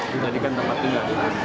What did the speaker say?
diberikan tempat tinggal